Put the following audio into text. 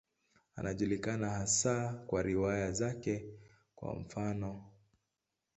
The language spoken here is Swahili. Anajulikana hasa kwa riwaya zake, kwa mfano.